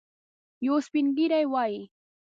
یو سپین ږیری وايي.